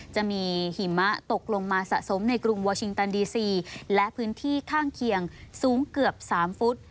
จะมีหิมะตกลงมาสะสมในกรุงวอร์ชิงตันดีซีและพื้นที่ข้างเคียงสูงเกือบ๓ฟุต